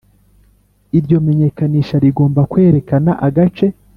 Iryo menyekanisha rigomba kwerekana agace